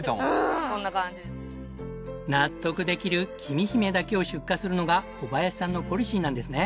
納得できるきみひめだけを出荷するのが小林さんのポリシーなんですね。